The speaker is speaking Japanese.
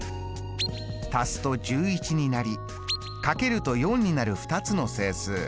足すと１１になりかけると４になる２つの整数。